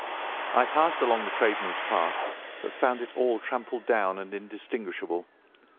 I passed along the tradesmen's path, but found it all trampled down and indistinguishable.